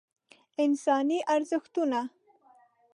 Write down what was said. انساني ارزښتونه